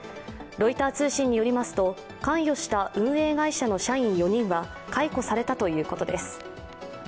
ロイター通信によりますと関与した運営会社の社員４人は解雇されたということです。